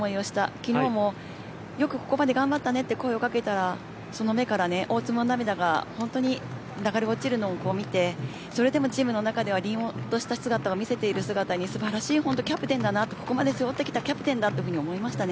昨日もよくここまで頑張ったねと声を掛けたらその目から大粒の涙が流れ落ちるのを見てそれでもチームの中では凛とした姿を見せているのでここまで背負ってきた素晴らしいキャプテンだと思いましたね。